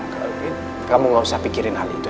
kak alwin kamu gak usah pikirin hal itu